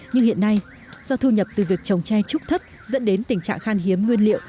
nhưng hiện nay do thu nhập từ việc trồng tre trúc thấp dẫn đến tình trạng khan hiếm nguyên liệu